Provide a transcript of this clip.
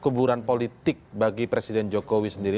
kuburan politik bagi presiden jokowi sendiri